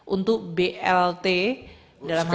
untuk blt dalam hal ini